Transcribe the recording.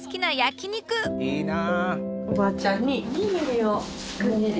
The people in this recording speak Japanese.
いいな。